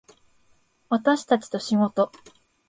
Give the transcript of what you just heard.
私たちと仕事